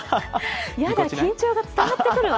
やだ、緊張が伝わってくるわ。